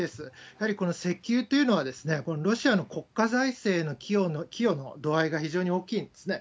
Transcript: やはり石油というのは、ロシアの国家財政の寄与の度合いが非常に大きいんですね。